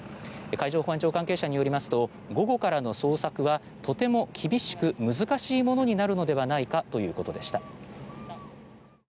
海上保安庁関係者によりますと午後からの捜索はとても厳しく難しいものになるのではないかということでした。